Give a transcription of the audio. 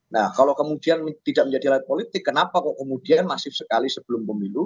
nah kalau kemudian tidak menjadi alat politik kenapa kok kemudian masif sekali sebelum pemilu